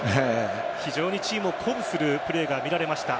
非常にチームを鼓舞するプレーが見られました。